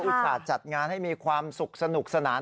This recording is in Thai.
อุตส่าห์จัดงานให้มีความสุขสนุกสนาน